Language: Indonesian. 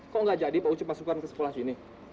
kok tidak jadi pak ucup masukkan ke sekolah ini